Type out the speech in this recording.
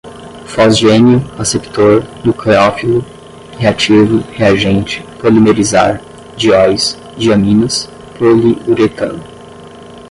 fosgênio, aceptor, nucléofilo, reativo, reagente, polimerizar, dióis, diaminas, poliuretano